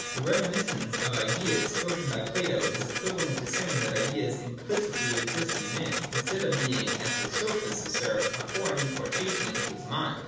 The reminiscence of ideas spoken of by Plato is equiva lent to saying that ideas implicitly exist in man, instead of being, as the Sophists assert, a foreign importation into his mind.